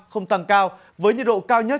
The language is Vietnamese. không tăng cao với nhiệt độ cao nhất